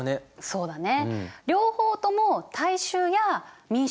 そうだね。